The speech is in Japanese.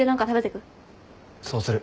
そうする。